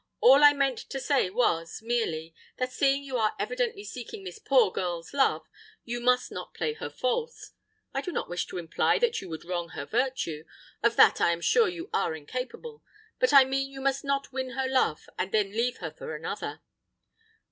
All I meant to say was, merely, that seeing you are evidently seeking this poor girl's love, you must not play her false. I do not wish to imply that you would wrong her virtue: of that I am sure you are incapable; but I mean you must not win her love, and then leave her for another."